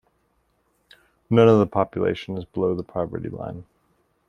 None of the population is below the poverty line.